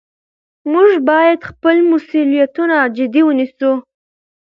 موږ باید خپل مسؤلیتونه جدي ونیسو